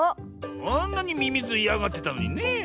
あんなにミミズいやがってたのにねえ。